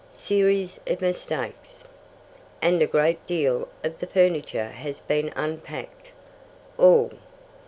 "Series of mistakes." "And a great deal of the furniture has been unpacked." "All."